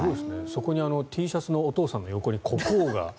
Ｔシャツのお父さんの横に国王が。